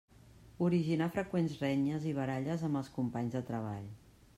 Originar freqüents renyes i baralles amb els companys de treball.